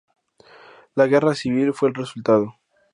La guerra civil fue el resultado.